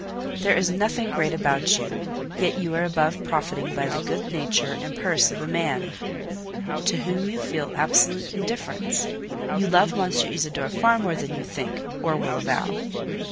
There is nothing great about you, yet you are above profiting by the good nature and purse of a man to whom you feel absolute indifference. You love M. Isidore far more than you think, or will avow."